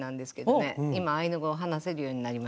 今アイヌ語を話せるようになりました。